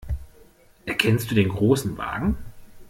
Erkennst du den Großen Wagen?